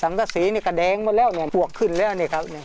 สังกะสีเนี่ยกระแดงหมดแล้วเนี่ยปวกขึ้นแล้วเนี่ยครับ